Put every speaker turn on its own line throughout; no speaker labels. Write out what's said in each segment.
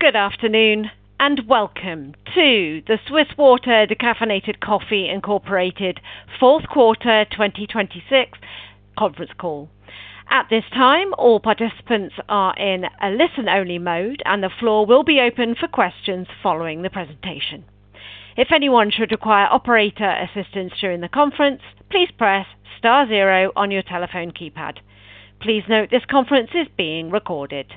Good afternoon and welcome to the Swiss Water Decaffeinated Coffee Inc. fourth quarter 2026 conference call. At this time, all participants are in a listen-only mode, and the floor will be open for questions following the presentation. If anyone should require operator assistance during the conference, please press star zero on your telephone keypad. Please note this conference is being recorded.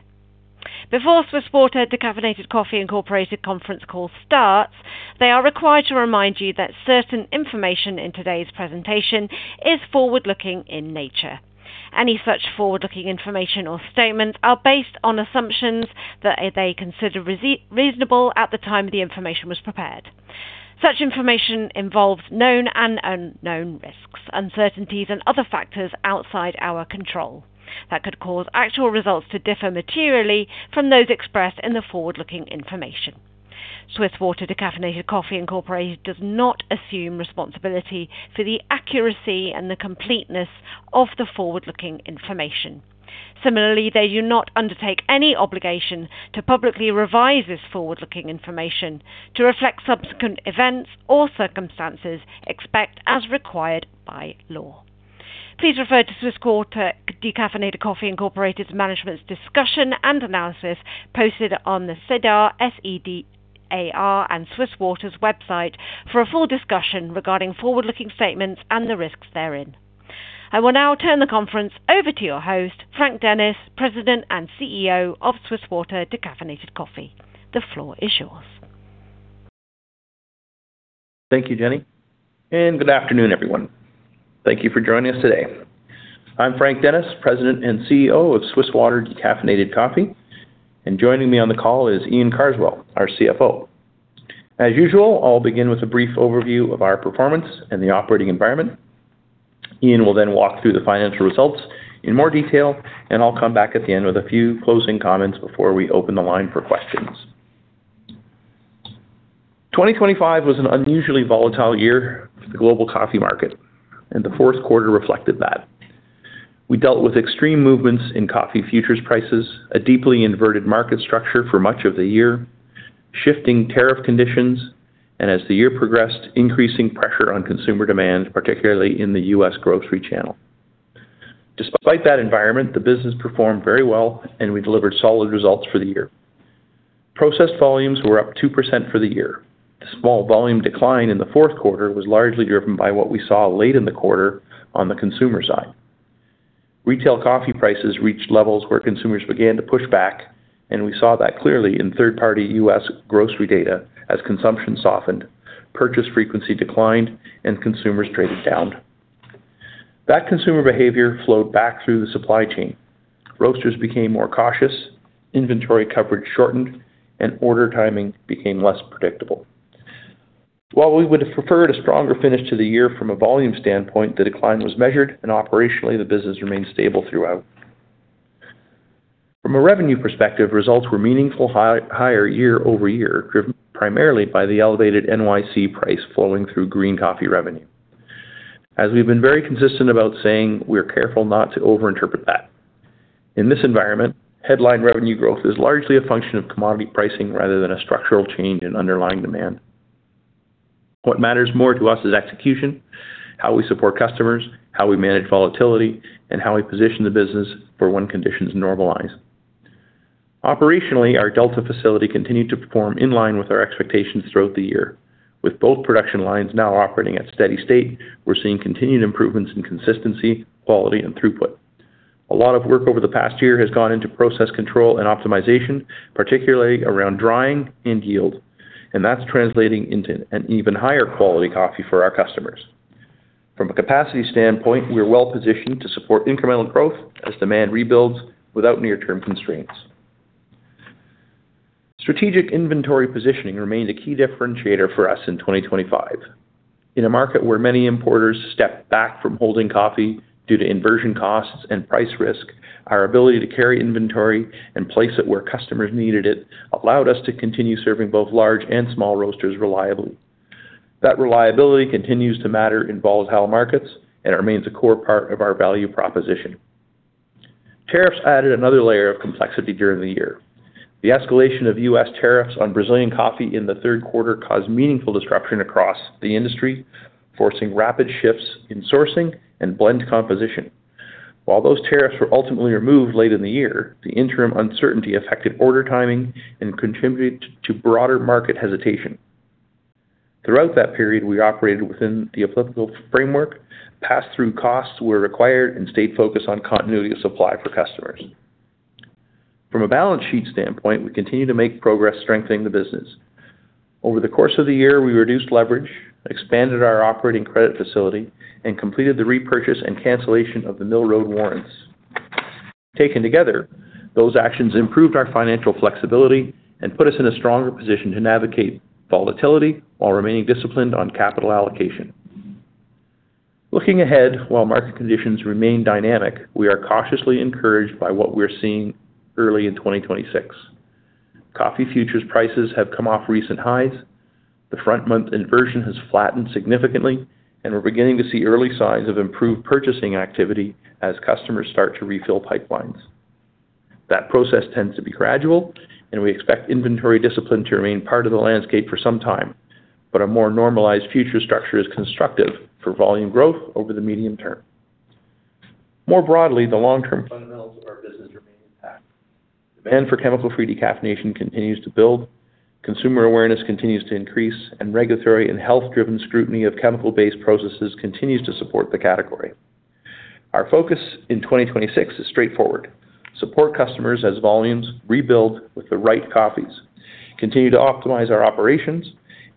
Before Swiss Water Decaffeinated Coffee Inc. conference call starts, they are required to remind you that certain information in today's presentation is forward-looking in nature. Any such forward-looking information or statements are based on assumptions that they consider reasonable at the time the information was prepared. Such information involves known and unknown risks, uncertainties and other factors outside our control that could cause actual results to differ materially from those expressed in the forward-looking information. Swiss Water Decaffeinated Coffee Inc. Does not assume responsibility for the accuracy and the completeness of the forward-looking information. Similarly, they do not undertake any obligation to publicly revise this forward-looking information to reflect subsequent events or circumstances, except as required by law. Please refer to Swiss Water Decaffeinated Coffee Inc. Management's discussion and analysis posted on the SEDAR, S-E-D-A-R, and Swiss Water's website for a full discussion regarding forward-looking statements and the risks therein. I will now turn the conference over to your host, Frank Dennis, President and CEO of Swiss Water Decaffeinated Coffee. The floor is yours.
Thank you, Jenny, and good afternoon, everyone. Thank you for joining us today. I'm Frank Dennis, President and CEO of Swiss Water Decaffeinated Coffee. Joining me on the call is Iain Carswell, our CFO. As usual, I'll begin with a brief overview of our performance and the operating environment. Ian will then walk through the financial results in more detail, and I'll come back at the end with a few closing comments before we open the line for questions. 2025 was an unusually volatile year for the global coffee market, and the fourth quarter reflected that. We dealt with extreme movements in coffee futures prices, a deeply inverted market structure for much of the year, shifting tariff conditions, and as the year progressed, increasing pressure on consumer demand, particularly in the U.S. grocery channel. Despite that environment, the business performed very well and we delivered solid results for the year. Processed volumes were up 2 for the year. The small volume decline in the fourth quarter was largely driven by what we saw late in the quarter on the consumer side. Retail coffee prices reached levels where consumers began to push back, and we saw that clearly in third-party U.S. grocery data as consumption softened, purchase frequency declined, and consumers traded down. That consumer behavior flowed back through the supply chain. Roasters became more cautious, inventory coverage shortened, and order timing became less predictable. While we would have preferred a stronger finish to the year from a volume standpoint, the decline was measured and operationally the business remained stable throughout. From a revenue perspective, results were meaningfully higher year-over-year, driven primarily by the elevated NYC price flowing through green coffee revenue. As we've been very consistent about saying, we're careful not to overinterpret that. In this environment, headline revenue growth is largely a function of commodity pricing rather than a structural change in underlying demand. What matters more to us is execution, how we support customers, how we manage volatility, and how we position the business for when conditions normalize. Operationally, our Delta facility continued to perform in line with our expectations throughout the year. With both production lines now operating at steady state, we're seeing continued improvements in consistency, quality, and throughput. A lot of work over the past year has gone into process control and optimization, particularly around drying and yield, and that's translating into an even higher quality coffee for our customers. From a capacity standpoint, we are well-positioned to support incremental growth as demand rebuilds without near-term constraints. Strategic inventory positioning remained a key differentiator for us in 2025. In a market where many importers stepped back from holding coffee due to inversion costs and price risk, our ability to carry inventory and place it where customers needed it allowed us to continue serving both large and small roasters reliably. That reliability continues to matter in volatile markets and remains a core part of our value proposition. Tariffs added another layer of complexity during the year. The escalation of U.S. tariffs on Brazilian coffee in the third quarter caused meaningful disruption across the industry, forcing rapid shifts in sourcing and blend composition. While those tariffs were ultimately removed late in the year, the interim uncertainty affected order timing and contributed to broader market hesitation. Throughout that period, we operated within the applicable framework, passed through costs where required, and stayed focused on continuity of supply for customers. From a balance sheet standpoint, we continue to make progress strengthening the business. Over the course of the year, we reduced leverage, expanded our operating credit facility, and completed the repurchase and cancellation of the Mill Road warrants. Taken together, those actions improved our financial flexibility and put us in a stronger position to navigate volatility while remaining disciplined on capital allocation. Looking ahead, while market conditions remain dynamic, we are cautiously encouraged by what we're seeing early in 2026. Coffee futures prices have come off recent highs. The front month inversion has flattened significantly, and we're beginning to see early signs of improved purchasing activity as customers start to refill pipelines. That process tends to be gradual, and we expect inventory discipline to remain part of the landscape for some time, but a more normalized future structure is constructive for volume growth over the medium term. More broadly, the long-term fundamentals of our business remain intact. Demand for chemical-free decaffeination continues to build, consumer awareness continues to increase, and regulatory and health-driven scrutiny of chemical-based processes continues to support the category. Our focus in 2026 is straightforward. Support customers as volumes rebuild with the right coffees, continue to optimize our operations,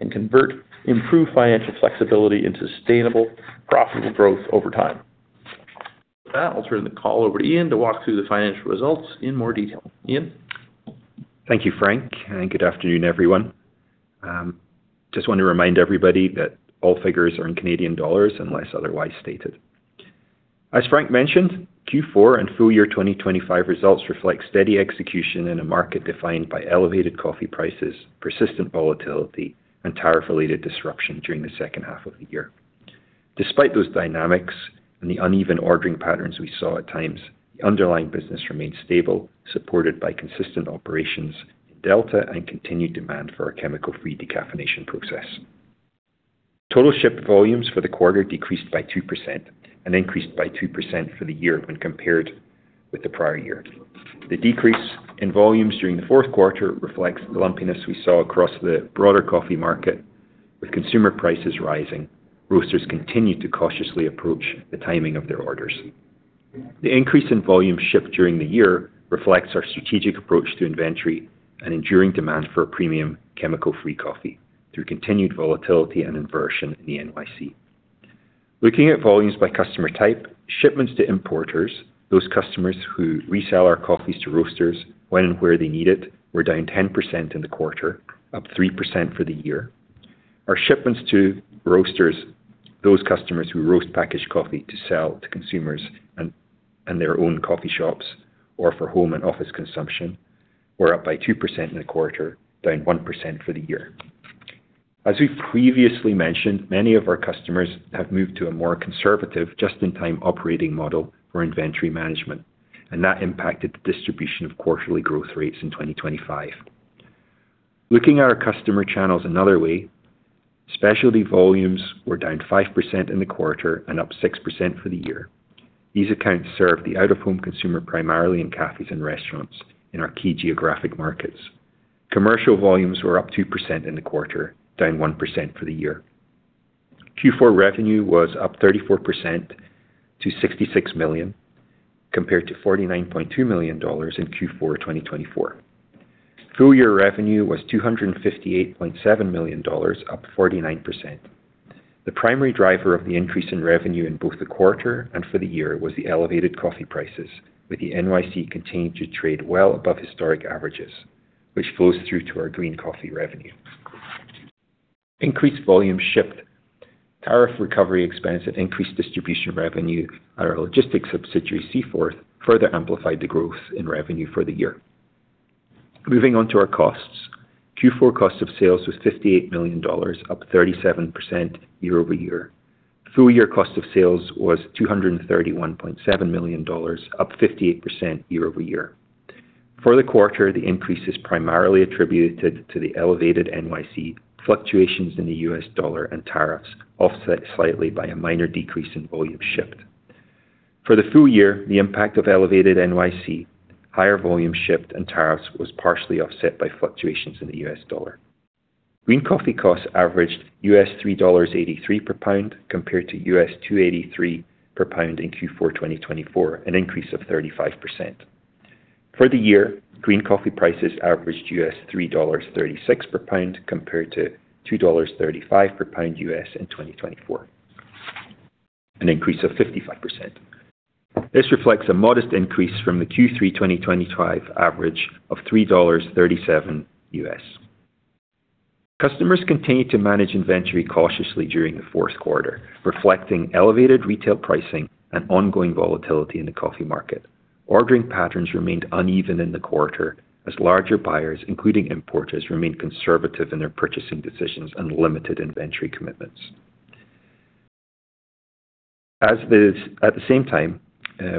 and convert improved financial flexibility into sustainable profitable growth over time. With that, I'll turn the call over to Iain to walk through the financial results in more detail. Iain.
Thank you, Frank, and good afternoon, everyone. Just want to remind everybody that all figures are in Canadian dollars unless otherwise stated. As Frank mentioned, Q4 and full year 2025 results reflect steady execution in a market defined by elevated coffee prices, persistent volatility, and tariff-related disruption during the second half of the year. Despite those dynamics and the uneven ordering patterns we saw at times, the underlying business remained stable, supported by consistent operations in Delta and continued demand for our chemical-free decaffeination process. Total shipped volumes for the quarter decreased by 2% and increased by 2% for the year when compared with the prior year. The decrease in volumes during the fourth quarter reflects the lumpiness we saw across the broader coffee market. With consumer prices rising, roasters continued to cautiously approach the timing of their orders. The increase in volume shipped during the year reflects our strategic approach to inventory and enduring demand for premium chemical-free coffee through continued volatility and inversion in the C market. Looking at volumes by customer type, shipments to importers, those customers who resell our coffees to roasters when and where they need it, were down 10% in the quarter, up 3% for the year. Our shipments to roasters, those customers who roast packaged coffee to sell to consumers and their own coffee shops or for home and office consumption, were up by 2% in the quarter, down 1% for the year. As we previously mentioned, many of our customers have moved to a more conservative just-in-time operating model for inventory management, and that impacted the distribution of quarterly growth rates in 2025. Looking at our customer channels another way, specialty volumes were down 5% in the quarter and up 6% for the year. These accounts serve the out-of-home consumer primarily in cafes and restaurants in our key geographic markets. Commercial volumes were up 2% in the quarter, down 1% for the year. Q4 revenue was up 34% to 66 million, compared to 49.2 million dollars in Q4 2024. Full year revenue was 258.7 million dollars, up 49%. The primary driver of the increase in revenue in both the quarter and for the year was the elevated coffee prices, with the NYC continuing to trade well above historic averages, which flows through to our green coffee revenue. Increased volume shipped. Tariff recovery expense and increased distribution revenue at our logistics subsidiary, Seaforth, further amplified the growth in revenue for the year. Moving on to our costs. Q4 cost of sales was 58 million dollars, up 37% year-over-year. Full year cost of sales was 231.7 million dollars, up 58% year-over-year. For the quarter, the increase is primarily attributed to the elevated C, fluctuations in the U.S. dollar, and tariffs offset slightly by a minor decrease in volume shipped. For the full year, the impact of elevated C, higher volume shipped, and tariffs was partially offset by fluctuations in the U.S. dollar. Green coffee costs averaged $3.83 per pound compared to $2.83 per pound in Q4 2024, an increase of 35%. For the year, green coffee prices averaged $3.36 per pound compared to $2.35 per pound in 2024, an increase of 55%. This reflects a modest increase from the Q3 2025 average of $3.37. Customers continued to manage inventory cautiously during the fourth quarter, reflecting elevated retail pricing and ongoing volatility in the coffee market. Ordering patterns remained uneven in the quarter as larger buyers, including importers, remained conservative in their purchasing decisions and limited inventory commitments. At the same time,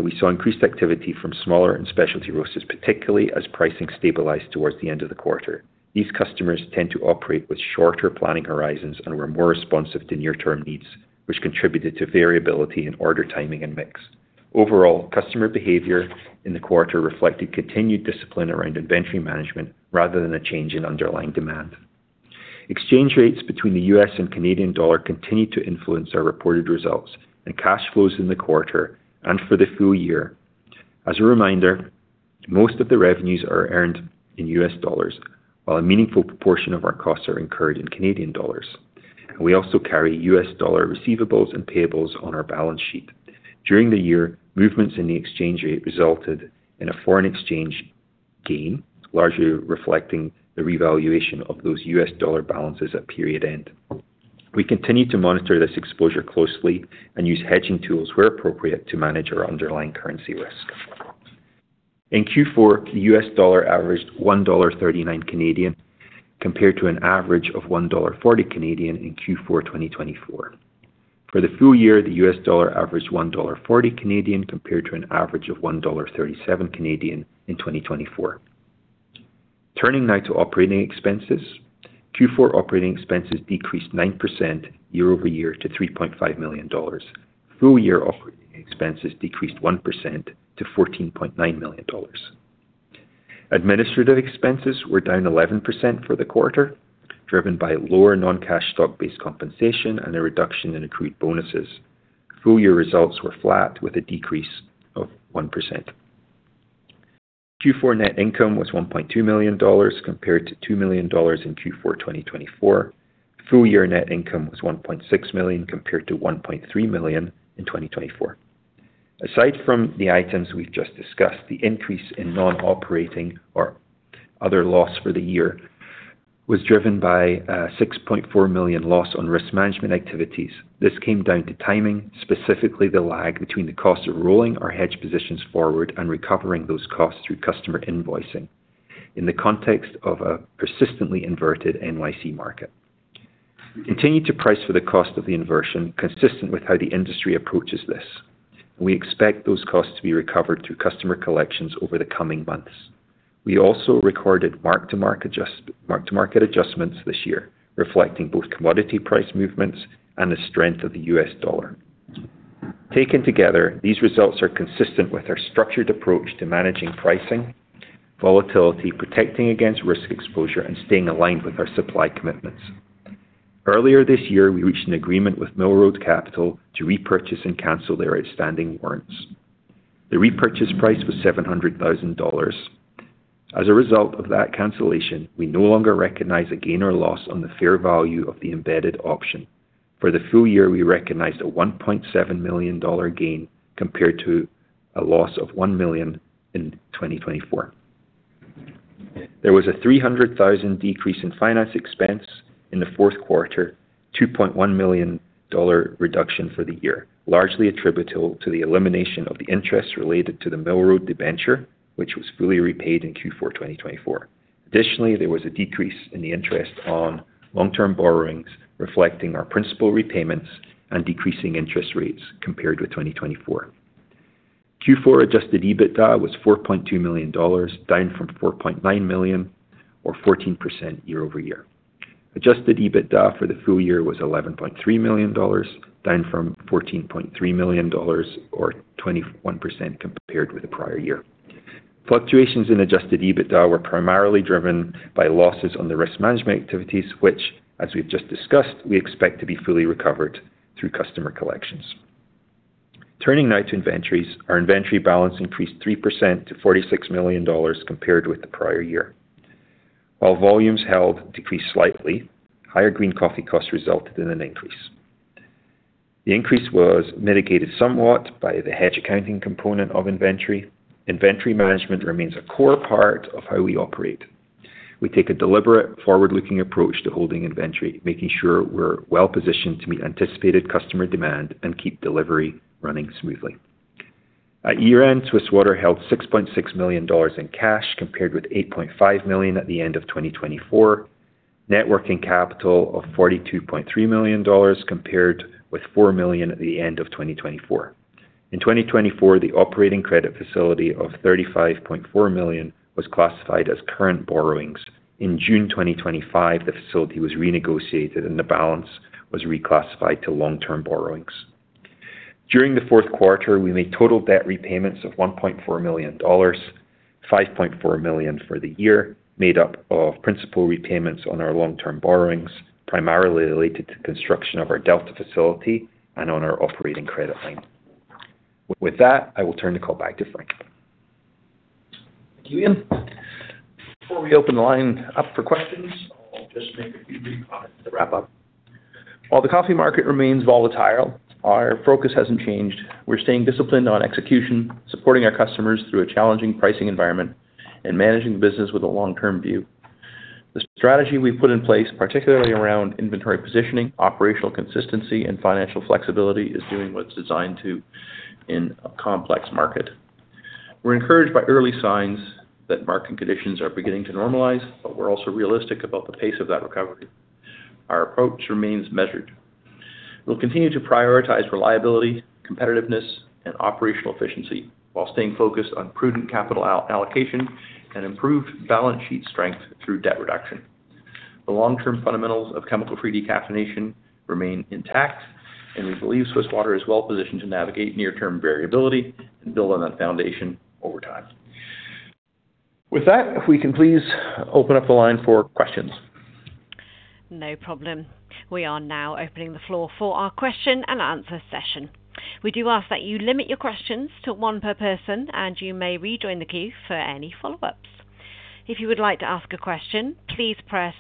we saw increased activity from smaller and specialty roasters, particularly as pricing stabilized towards the end of the quarter. These customers tend to operate with shorter planning horizons and were more responsive to near-term needs, which contributed to variability in order, timing, and mix. Overall, customer behavior in the quarter reflected continued discipline around inventory management rather than a change in underlying demand. Exchange rates between the U.S. and Canadian dollar continued to influence our reported results and cash flows in the quarter and for the full year. As a reminder, most of the revenues are earned in U.S. Dollars, while a meaningful proportion of our costs are incurred in Canadian dollars. We also carry U.S. dollar receivables and payables on our balance sheet. During the year, movements in the exchange rate resulted in a foreign exchange gain, largely reflecting the revaluation of those U.S. dollar balances at period end. We continue to monitor this exposure closely and use hedging tools where appropriate to manage our underlying currency risk. In Q4, the U.S. dollar averaged 1.39 Canadian compared to an average of 1.40 Canadian in Q4 2024. For the full year, the U.S. dollar averaged 1.40 Canadian compared to an average of 1.37 Canadian in 2024. Turning now to operating expenses. Q4 operating expenses decreased 9% year-over-year to 3.5 million dollars. Full year operating expenses decreased 1% to 14.9 million dollars. Administrative expenses were down 11% for the quarter, driven by lower non-cash stock-based compensation and a reduction in accrued bonuses. Full year results were flat with a decrease of 1%. Q4 net income was 1.2 million dollars compared to 2 million dollars in Q4 2024. Full year net income was 1.6 million, compared to 1.3 million in 2024. Aside from the items we've just discussed, the increase in non-operating or other loss for the year was driven by a 6.4 million loss on risk management activities. This came down to timing, specifically the lag between the cost of rolling our hedge positions forward and recovering those costs through customer invoicing in the context of a persistently inverted C market. We continue to price for the cost of the inversion consistent with how the industry approaches this. We expect those costs to be recovered through customer collections over the coming months. We also recorded mark-to-market adjustments this year, reflecting both commodity price movements and the strength of the US dollar. Taken together, these results are consistent with our structured approach to managing pricing, volatility, protecting against risk exposure, and staying aligned with our supply commitments. Earlier this year, we reached an agreement with Mill Road Capital to repurchase and cancel their outstanding warrants. The repurchase price was 700 thousand dollars. As a result of that cancellation, we no longer recognize a gain or loss on the fair value of the embedded option. For the full year, we recognized a 1.7 million dollar gain compared to a loss of 1 million in 2024. There was a 300 thousand decrease in finance expense in the fourth quarter, 2.1 million dollar reduction for the year, largely attributable to the elimination of the interest related to the Mill Road debenture, which was fully repaid in Q4 2024. Additionally, there was a decrease in the interest on long-term borrowings, reflecting our principal repayments and decreasing interest rates compared with 2024. Q4 Adjusted EBITDA was 4.2 million dollars, down from 4.9 million or 14% year-over-year. Adjusted EBITDA for the full year was 11.3 million dollars, down from 14.3 million dollars or 21% compared with the prior year. Fluctuations in Adjusted EBITDA were primarily driven by losses on the risk management activities, which, as we've just discussed, we expect to be fully recovered through customer collections. Turning now to inventories. Our inventory balance increased 3% to 46 million dollars compared with the prior year. While volumes held decreased slightly, higher green coffee costs resulted in an increase. The increase was mitigated somewhat by the hedge accounting component of inventory. Inventory management remains a core part of how we operate. We take a deliberate, forward-looking approach to holding inventory, making sure we're well positioned to meet anticipated customer demand and keep delivery running smoothly. At year-end, Swiss Water held 6.6 million dollars in cash, compared with 8.5 million at the end of 2024. Net working capital of 42.3 million dollars compared with 4 million at the end of 2024. In 2024, the operating credit facility of 35.4 million was classified as current borrowings. In June 2025, the facility was renegotiated, and the balance was reclassified to long-term borrowings. During the fourth quarter, we made total debt repayments of 1.4 million dollars, 5.4 million for the year, made up of principal repayments on our long-term borrowings, primarily related to construction of our Delta facility and on our operating credit line. With that, I will turn the call back to Frank.
Thank you, Iain. Before we open the line up for questions, I'll just make a few brief comments to wrap up. While the coffee market remains volatile, our focus hasn't changed. We're staying disciplined on execution, supporting our customers through a challenging pricing environment and managing the business with a long-term view. The strategy we've put in place, particularly around inventory positioning, operational consistency, and financial flexibility, is doing what it's designed to in a complex market. We're encouraged by early signs that market conditions are beginning to normalize, but we're also realistic about the pace of that recovery. Our approach remains measured. We'll continue to prioritize reliability, competitiveness, and operational efficiency while staying focused on prudent capital allocation and improved balance sheet strength through debt reduction. The long-term fundamentals of chemical-free decaffeination remain intact, and we believe Swiss Water is well positioned to navigate near-term variability and build on that foundation over time. With that, if we can please open up the line for questions.
No problem. We are now opening the floor for our question and answer session. We do ask that you limit your questions to one per person, and you may rejoin the queue for any follow-ups. If you would like to ask a question, please press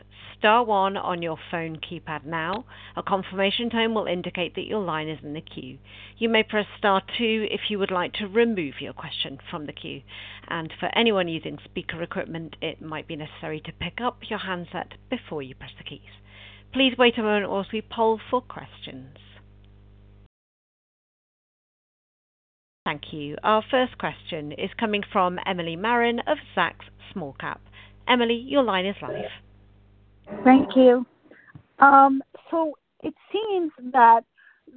star one on your phone keypad now. A confirmation tone will indicate that your line is in the queue. You may press star two if you would like to remove your question from the queue. For anyone using speaker equipment, it might be necessary to pick up your handset before you press the keys. Please wait a moment while we poll for questions. Thank you. Our first question is coming from Emily Marin of Zacks Small-Cap Research. Emily, your line is live.
Thank you. So it seems that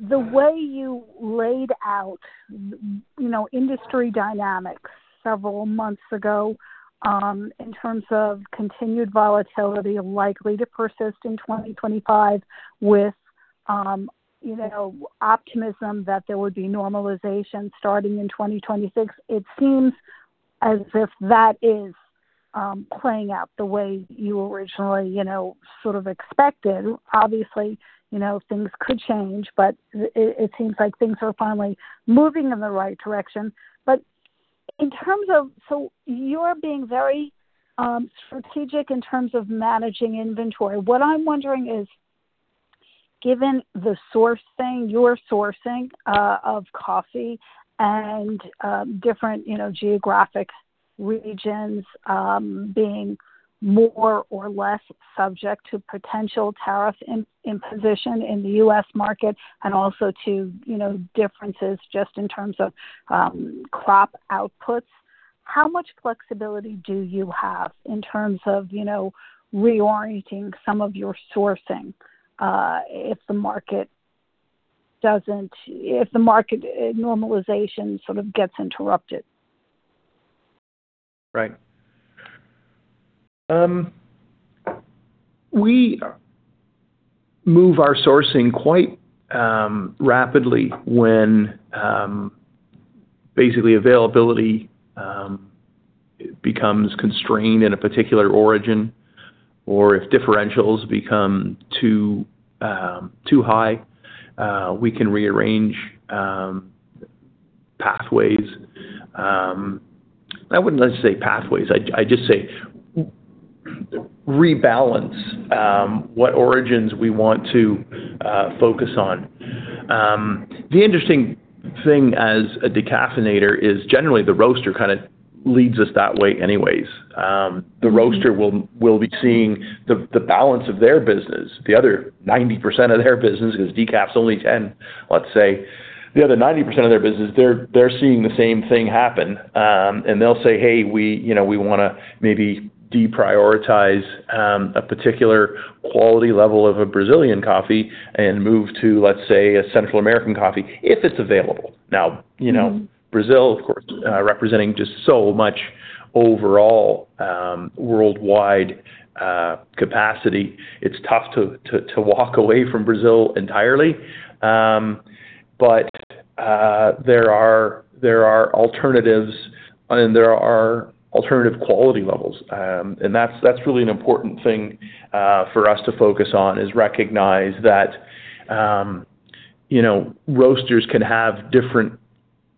the way you laid out, you know, industry dynamics several months ago, in terms of continued volatility likely to persist in 2025 with, you know, optimism that there would be normalization starting in 2026. It seems as if that is, playing out the way you originally, you know, sort of expected. Obviously, you know, things could change, but it seems like things are finally moving in the right direction. In terms of, you're being very strategic in terms of managing inventory. What I'm wondering is, given the sourcing, your sourcing, of coffee and, different, you know, geographic regions, being more or less subject to potential tariff imposition in the U.S. market and also to, you know, differences just in terms of, crop outputs. How much flexibility do you have in terms of, you know, reorienting some of your sourcing, if the market normalization sort of gets interrupted?
Right. We move our sourcing quite rapidly when basically availability becomes constrained in a particular origin, or if differentials become too high, we can rearrange pathways. I wouldn't necessarily say pathways. I just say rebalance what origins we want to focus on. The interesting thing as a decaffeinator is generally the roaster kinda leads us that way anyways. The roaster will be seeing the balance of their business. The other 90% of their business, 'cause decaf's only 10, let's say. The other 90% of their business, they're seeing the same thing happen. They'll say, "Hey, you know, we wanna maybe deprioritize a particular quality level of a Brazilian coffee and move to, let's say, a Central American coffee, if it's available." Now, you know.
Mm-hmm.
Brazil, of course, representing just so much overall worldwide capacity. It's tough to walk away from Brazil entirely. There are alternatives, and there are alternative quality levels. That's really an important thing for us to focus on, is recognize that, you know, roasters can have different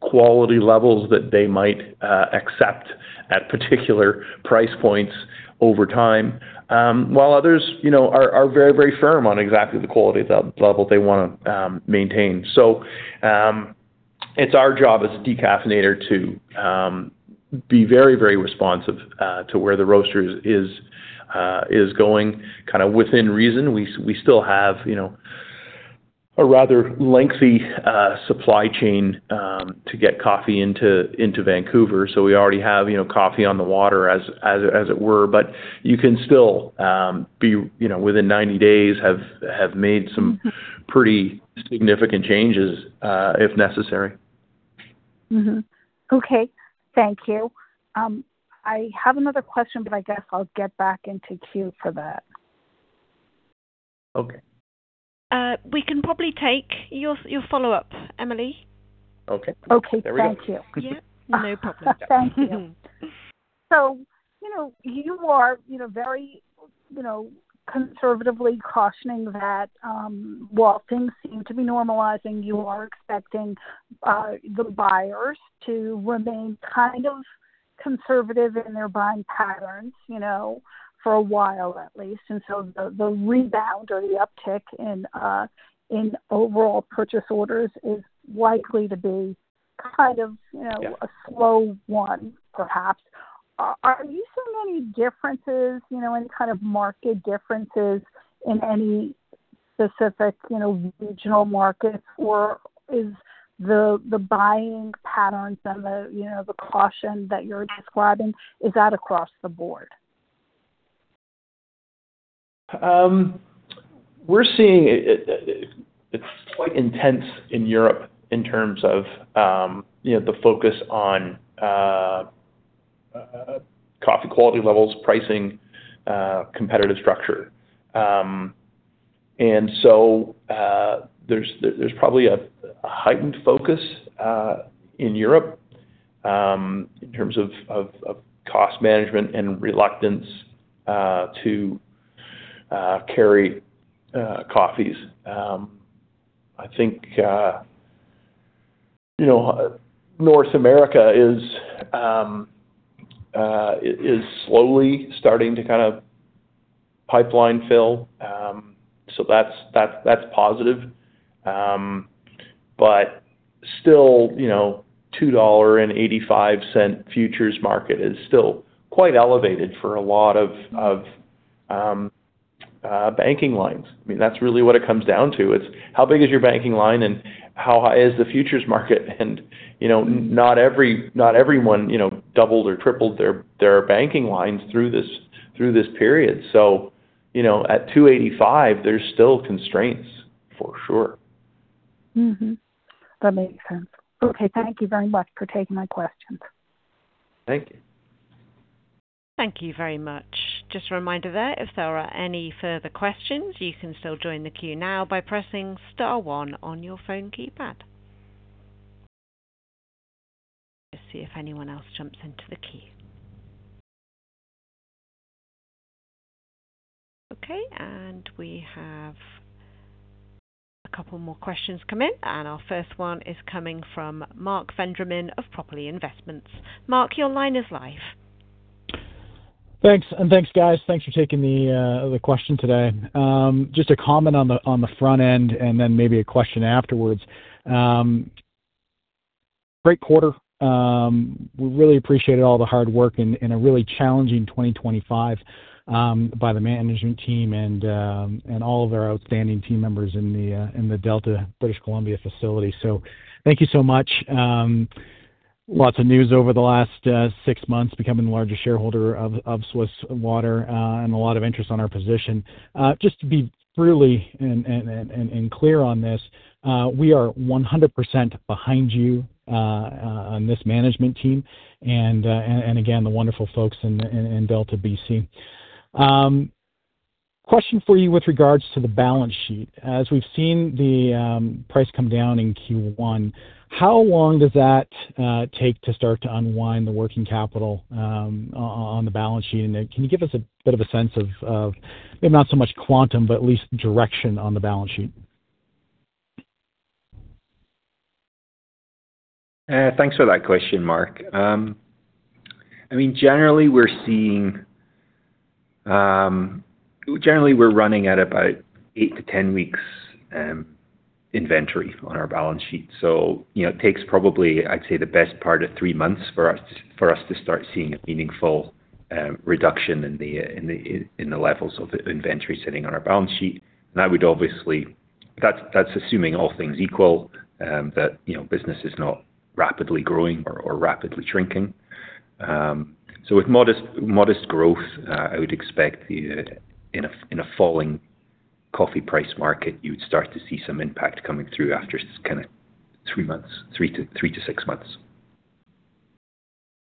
quality levels that they might accept at particular price points over time, while others, you know, are very firm on exactly the quality level they wanna maintain. It's our job as a decaffeinator to be very responsive to where the roaster is going kinda within reason. We still have, you know, a rather lengthy supply chain to get coffee into Vancouver, so we already have, you know, coffee on the water, as it were. But you can still be, you know, within 90 days, have made some pretty significant changes if necessary.
Mm-hmm. Okay. Thank you. I have another question, but I guess I'll get back into queue for that.
Okay.
We can probably take your follow-up, Emily.
Okay.
Okay. Thank you.
There we go.
Yeah. No problem.
Thank you. You know, you are, you know, very, you know, conservatively cautioning that while things seem to be normalizing, you are expecting the buyers to remain kind of conservative in their buying patterns, you know, for a while at least. Until the rebound or the uptick in overall purchase orders is likely to be kind of, you know.
Yeah.
A slow one, perhaps. Are you seeing any differences, you know, any kind of market differences in any specific, you know, regional markets? Or is the buying patterns and the, you know, the caution that you're describing, is that across the board?
We're seeing it. It's quite intense in Europe in terms of, you know, the focus on coffee quality levels, pricing, competitive structure. There's probably a heightened focus in Europe in terms of cost management and reluctance to carry coffees. I think, you know, North America is slowly starting to kinda pipeline fill, so that's positive. Still, you know, $2.85 futures market is still quite elevated for a lot of banking lines. I mean, that's really what it comes down to. It's how big is your banking line and how high is the futures market? You know, not every, not everyone, you know, doubled or tripled their banking lines through this period. You know, at $2.85 there's still constraints for sure.
Mm-hmm. That makes sense. Okay, thank you very much for taking my questions.
Thank you.
Thank you very much. Just a reminder there, if there are any further questions, you can still join the queue now by pressing star one on your phone keypad. Let's see if anyone else jumps into the queue. Okay, we have a couple more questions come in, and our first one is coming from Mark Vandervin of Properly Investments. Mark, your line is live.
Thanks. Thanks, guys. Thanks for taking the question today. Just a comment on the front end and then maybe a question afterwards. Great quarter. We really appreciated all the hard work in a really challenging 2025 by the management team and all of our outstanding team members in the Delta, British Columbia facility. Thank you so much. Lots of news over the last six months, becoming the largest shareholder of Swiss Water and a lot of interest on our position. Just to be really clear on this, we are 100% behind you on this management team and again, the wonderful folks in Delta, BC. Question for you with regards to the balance sheet. As we've seen the price come down in Q1, how long does that take to start to unwind the working capital on the balance sheet? Can you give us a bit of a sense of maybe not so much quantum, but at least direction on the balance sheet?
Thanks for that question, Mark. I mean, generally we're running at about 8 weeks-10 weeks inventory on our balance sheet. So, you know, it takes probably, I'd say, the best part of 3 months for us to start seeing a meaningful reduction in the levels of inventory sitting on our balance sheet. That would obviously. That's assuming all things equal, that, you know, business is not rapidly growing or rapidly shrinking. So with modest growth, I would expect that in a falling coffee price market, you'd start to see some impact coming through after kinda 3 months, 3-6 months.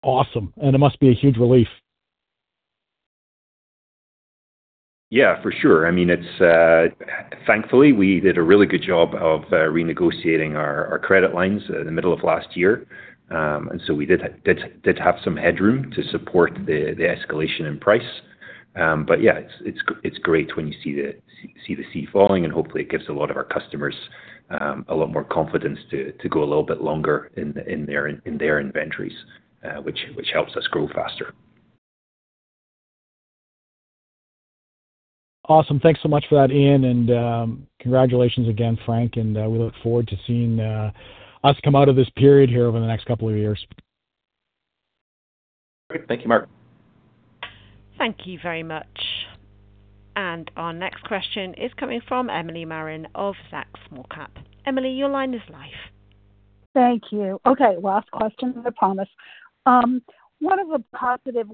Awesome. It must be a huge relief.
Yeah, for sure. I mean, it's. Thankfully, we did a really good job of renegotiating our credit lines in the middle of last year. We did have some headroom to support the escalation in price. Yeah, it's great when you see the C Market falling, and hopefully it gives a lot of our customers a lot more confidence to go a little bit longer in their inventories, which helps us grow faster.
Awesome. Thanks so much for that, Ian, and congratulations again, Frank, and we look forward to seeing us come out of this period here over the next couple of years.
Thank you, Mark.
Thank you very much. Our next question is coming from Emily Marin of Zacks Small-Cap Research. Emily, your line is live.
Thank you. Okay, last question I promise. One of the positive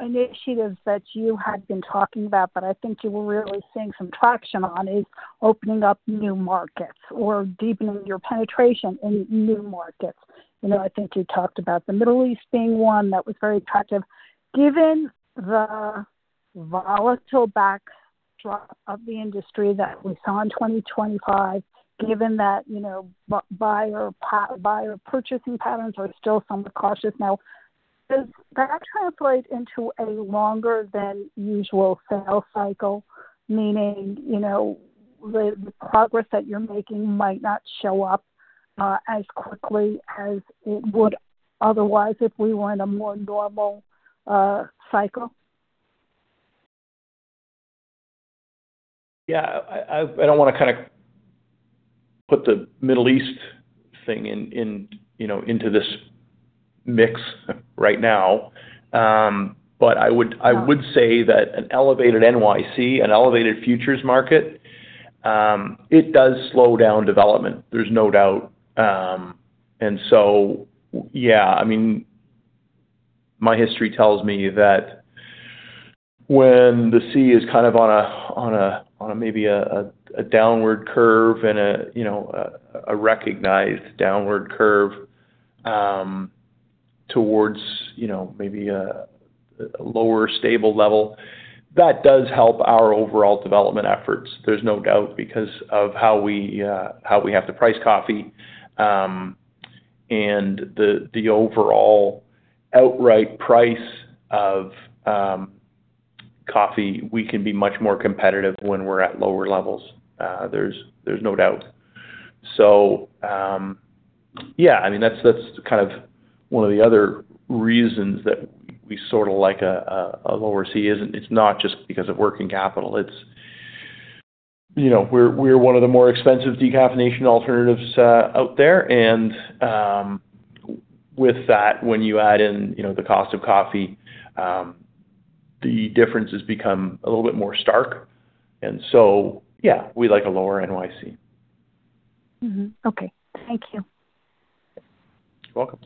initiatives that you had been talking about that I think you were really seeing some traction on is opening up new markets or deepening your penetration in new markets. You know, I think you talked about the Middle East being one that was very attractive. Given the volatile backdrop of the industry that we saw in 2025, given that, you know, buyer purchasing patterns are still somewhat cautious now, does that translate into a longer than usual sales cycle? Meaning, you know, the progress that you're making might not show up as quickly as it would otherwise if we were in a more normal cycle.
Yeah. I don't wanna kinda put the Middle East thing in, you know, into this mix right now. I would.
Yeah.
I would say that an elevated NYC, an elevated futures market, it does slow down development. There's no doubt. Yeah, I mean, my history tells me that when C Market is kind of on a maybe a downward curve and a you know a recognized downward curve, towards you know maybe a lower stable level, that does help our overall development efforts. There's no doubt, because of how we how we have to price coffee. The overall outright price of coffee, we can be much more competitive when we're at lower levels. There's no doubt. Yeah, I mean, that's kind of one of the other reasons that we sorta like a lower C. It's not just because of working capital. It's, you know, we're one of the more expensive decaffeination alternatives out there. With that, when you add in, you know, the cost of coffee, the differences become a little bit more stark. Yeah, we like a lower C.
Mm-hmm. Okay. Thank you.
You're welcome.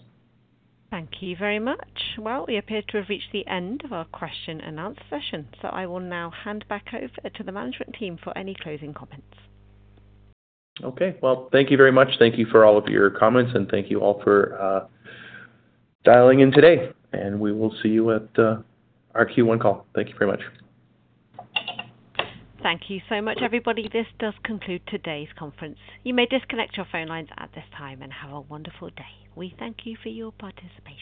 Thank you very much. Well, we appear to have reached the end of our question and answer session. I will now hand back over to the management team for any closing comments.
Okay. Well, thank you very much. Thank you for all of your comments, and thank you all for dialing in today, and we will see you at our Q1 call. Thank you very much.
Thank you so much, everybody. This does conclude today's conference. You may disconnect your phone lines at this time, and have a wonderful day. We thank you for your participation.